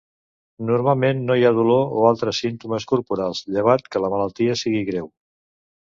Normalment no hi ha dolor o altres símptomes corporals, llevat que la malaltia sigui greu.